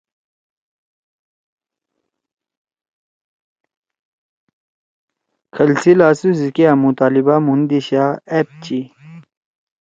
کھل سی لھاسُو سی کیا مطالبہ مھُون دِیشا نے أپ چی